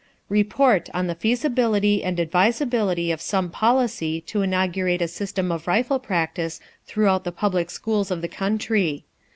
Report on the Feasibility and Advisability of some Policy to Inaugurate a System of Rifle Practice throughout the Public Schools of the Country.